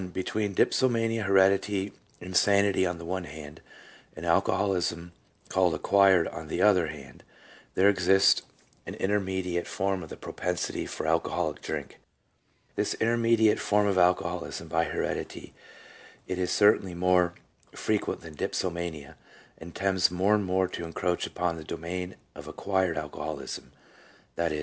Between dipsomania, hereditary insanity, on the one hand, and alcoholism, called ' acquired ' on the other hand, there exists an intermediate form of the propensity for alcoholic drink ; this intermediate form is alcoholism by heredity : it is certainly more frequent than dipsomania, and tends more and more to encroach upon the domain of ' acquired ' alco holism — i.e.